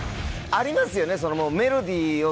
ありますよね。